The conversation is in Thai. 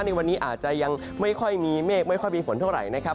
ในวันนี้อาจจะยังไม่ค่อยมีเมฆไม่ค่อยมีฝนเท่าไหร่นะครับ